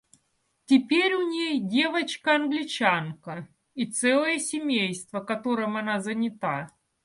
Теперь у ней девочка Англичанка и целое семейство, которым она занята.